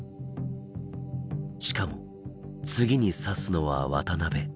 しかも次に指すのは渡辺。